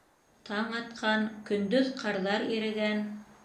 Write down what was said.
Таң атҡан, көндөҙ ҡарҙар ирегән.